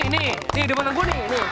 ini di depanan gue nih